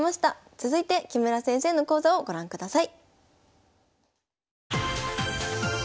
続いて木村先生の講座をご覧ください。